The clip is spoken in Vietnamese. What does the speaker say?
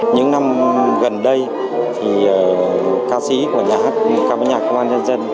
những năm gần đây thì ca sĩ của nhà hát cà văn nhạc công an nhân dân